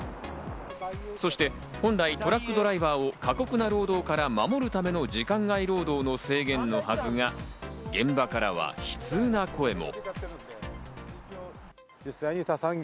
そして本来、トラックドライバーを過酷な労働から守るための時間外労働の制限のはずが、現場からは悲痛な声も。